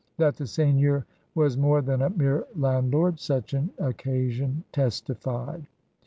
That the seigneur was more than a mere landlord such an occasion testified.